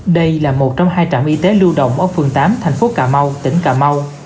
đây là một trong hai trạm y tế lưu đồng ở phường tám thành phố cà mau tỉnh cà mau